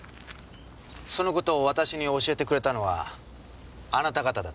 その事を私に教えてくれたのはあなた方だったんです。